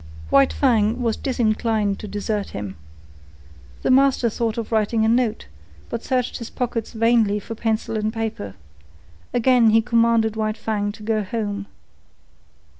White Fang was disinclined to desert him. The master thought of writing a note, but searched his pockets vainly for pencil and paper. Again he commanded White Fang to go home.